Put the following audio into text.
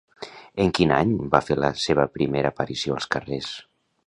En quin any va fer la seva primera aparició als carrers?